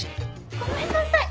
ごめんなさい